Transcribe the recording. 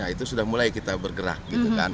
itu sudah mulai kita bergerak